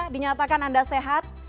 dinyatakan anda sehat